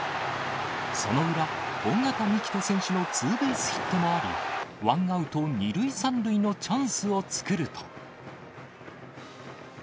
その裏、尾形みきと選手のツーベースヒットもあり、ワンアウト２塁３塁のチャンスを作ると。